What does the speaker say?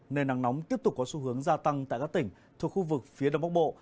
nên nắng nóng tiếp tục có xu hướng gia tăng tại các tỉnh thuộc khu vực phía đông bắc bộ